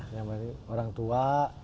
yang penting orang tua